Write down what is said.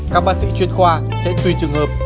các bác sĩ chuyên khoa sẽ tùy trường hợp